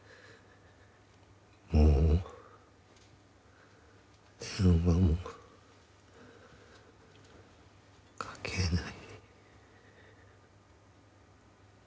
「もう電話もかけない」